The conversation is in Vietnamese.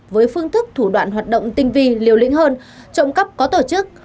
với phương thức thủ đoạn hoạt động tinh vi liều lĩnh hơn trộm cắp có tổ chức